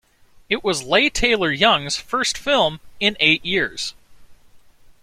It was Leigh Taylor-Young's first film in eight years.